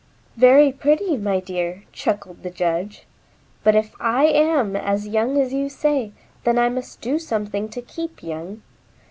"Very pretty, my dear," chuckled the judge. "But if I am as young as you say, then I must do something to keep young.